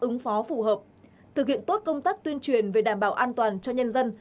ứng phó phù hợp thực hiện tốt công tác tuyên truyền về đảm bảo an toàn cho nhân dân